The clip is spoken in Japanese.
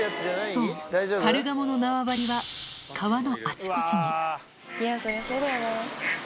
そう、カルガモの縄張りは川のあちこちに。